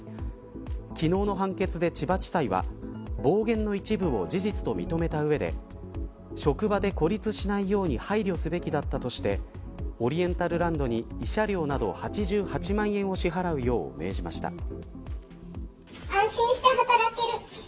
昨日の判決で千葉地裁は暴言の一部を事実と認めた上で職場で孤立しないように配慮すべきだったとしてオリエンタルランドに慰謝料など８８万円を支払うよう命じました。